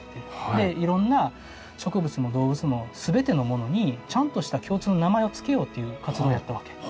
でいろんな植物も動物も全てのものにちゃんとした共通の名前を付けようっていう活動をやったわけ。